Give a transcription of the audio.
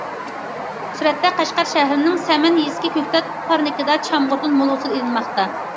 سۈرەتتە، قەشقەر شەھىرىنىڭ سەمەن يېزىسىدىكى كۆكتات پارنىكىدا چامغۇردىن مول ھوسۇل ئېلىنماقتا.